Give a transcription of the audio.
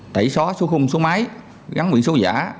tẩy xóa số khung số máy gắn biển số giả